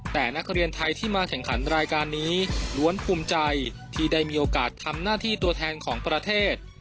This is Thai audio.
แต่นักเรียนไทยที่มาแข่งขันรายการนี้ล้วนภูมิใจที่ได้มีโอกาสทำหน้าที่ตัวแทนของประเทศ